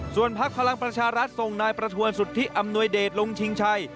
ส่วนพักพลังประชารัฐส่งนายประทวนสุทธิอำนวยเดชลงชิงชัย